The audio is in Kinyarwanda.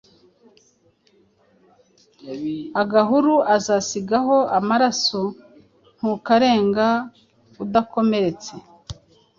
"Agahuru uzasigaho amaraso Ntukarenga udakomeretse !"